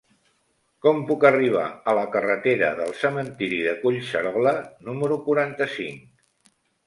Com puc arribar a la carretera del Cementiri de Collserola número quaranta-cinc?